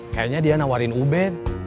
kayaknya dia nawarin ube